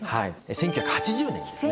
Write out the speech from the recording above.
１９８０年ですね。